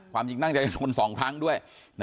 ความจริงน่าจะชน๒ครั้งด้วย